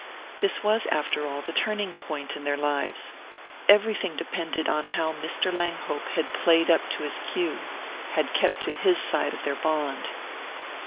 This was, after all, the turning point in their lives: everything depended on how Mr. Langhope had "played up" to his cue; had kept to his side of their bond.